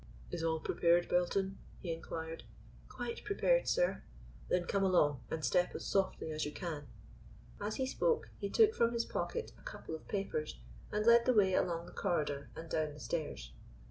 "Is all prepared, Belton?" he inquired. "Quite prepared, sir." "Then come along, and step as softly as you can." As he spoke he took from his pocket a couple of papers, and led the way along the corridor and down the stairs.